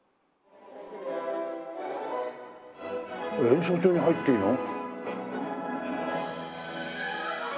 練習中に入っていいの？